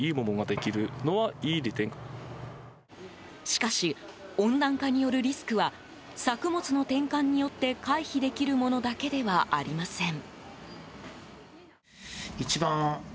しかし、温暖化によるリスクは作物の転換によって回避できるものだけではありません。